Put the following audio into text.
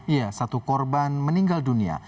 iya satu korban meninggal dunia